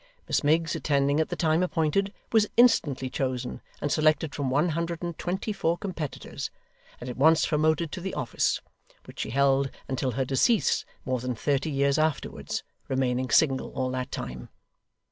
Miss Miggs attending at the time appointed, was instantly chosen and selected from one hundred and twenty four competitors, and at once promoted to the office; which she held until her decease, more than thirty years afterwards, remaining single all that time.